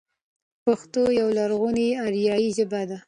پښتو يوه لرغونې آريايي ژبه ده.